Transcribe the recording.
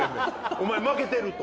お前負けてると。